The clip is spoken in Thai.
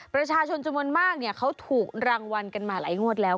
ประชาชนจำนวนมากเขาถูกรางวัลกันมาหลายงวดแล้ว